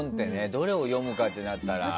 どれを読むかってなったら。